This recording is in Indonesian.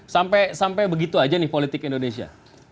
sampai begitu aja nih politik indonesia